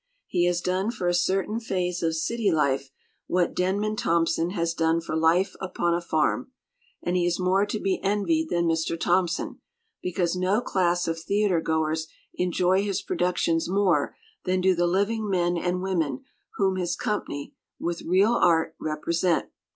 He has done for a certain phase of city life what Denman Thompson has done for life upon a farm; and he is more to be envied than Mr. Thompson, because no class of theatre goers enjoy his productions more than do the living men and women whom his company, with real art, represent.